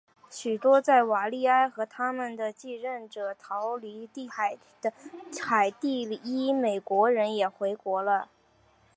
许多在瓦利埃和他们的继任者逃离海地的海地裔美国人也回国了。